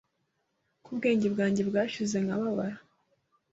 Ko ubwenge bwanjye bwashize nkababara